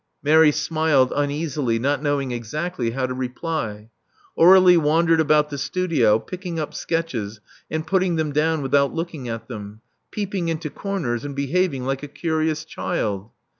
Mary smiled uneasily, not knowing exactly how to reply. Aur^lie wandered about the studio, picking up sketches and putting them down without looking at them; peeping into comers; and behaving like a curious child.